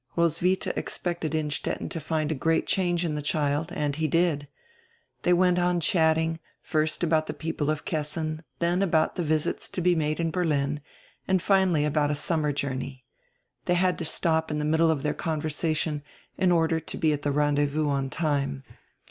Roswitha expected Inn stetten to find a great change in die child, and he did. They went on chatting, first about the people of Kessin, then about die visits to he made in Berlin, and finally ahout a summer journey. They had to stop in die middle of their conversation in order to be at die rendezvous on time.